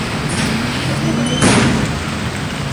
Es una construcción circular de grandes dimensiones.